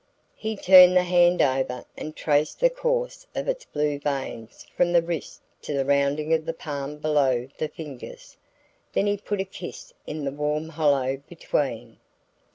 He turned the hand over and traced the course of its blue veins from the wrist to the rounding of the palm below the fingers; then he put a kiss in the warm hollow between.